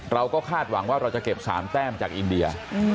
คาดหวังว่าเราจะเก็บ๓แต้มจากอินเดีย